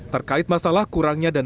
terkait masalah kurangnya dana atlet